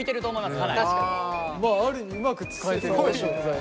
まあある意味うまく使えてる食材。